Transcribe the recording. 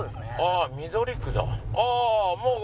ああ緑区だ。